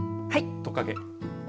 トカゲ。